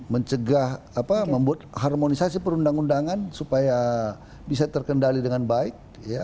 membuat harmonisasi perundang undangan supaya bisa terkendali dengan baik